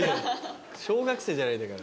小学生じゃないんだから。